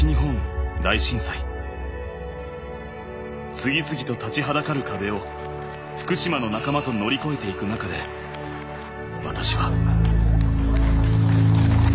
次々と立ちはだかる壁を福島の仲間と乗り越えていく中で私は。